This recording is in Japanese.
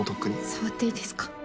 触っていいですか？